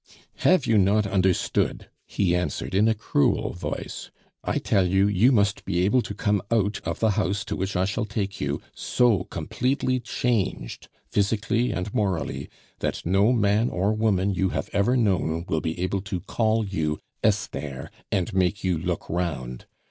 "Have you not understood?" he answered, in a cruel voice. "I tell you, you must be able to come out of the house to which I shall take you so completely changed, physically and morally, that no man or woman you have ever known will be able to call you 'Esther' and make you look round.